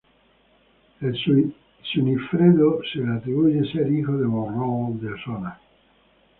A Sunifredo se le atribuye ser hijo de Borrell de Osona.